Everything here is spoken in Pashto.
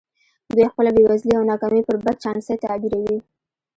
دوی خپله بېوزلي او ناکامي پر بد چانسۍ تعبیروي